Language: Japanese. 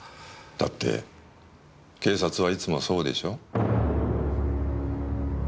だって警察はいつもそうでしょ？